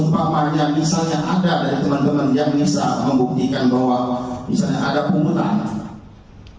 kalau seumpamanya misalnya ada dari teman teman yang bisa membuktikan bahwa misalnya ada punggutan